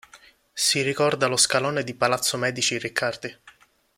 Si ricorda lo scalone di Palazzo Medici-Riccardi.